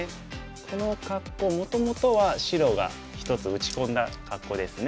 この格好もともとは白が１つ打ち込んだ格好ですね。